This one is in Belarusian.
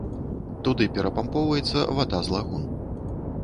Туды перапампоўваецца вада з лагун.